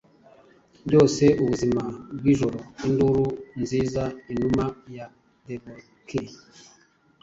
Byose ubuzima bwijoro Induru nziza, inuma ya dovelike,